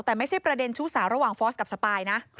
แต่ไม่ใช่ประเด็นชู้สาวระหว่างฟอสกับสปายนะ